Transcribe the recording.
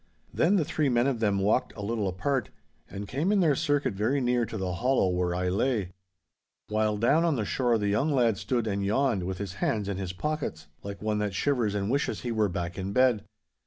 'Then the three men of them walked a little apart, and came in their circuit very near to the hollow where I lay. While down on the shore the young lad stood and yawned, with his hands in his pockets, like one that shivers and wishes he were back in bed.